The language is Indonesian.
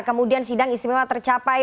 kemudian sidang istimewa tercapai